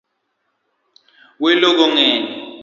Welo go ngeny.